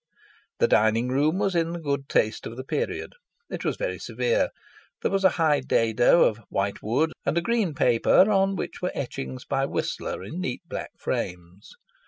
The dining room was in the good taste of the period. It was very severe. There was a high dado of white wood and a green paper on which were etchings by Whistler in neat black frames.